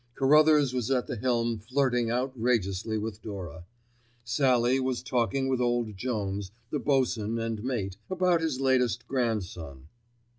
Carruthers was at the helm flirting outrageously with Dora. Sallie was talking with old Jones, the bo'sun and mate, about his latest grandson.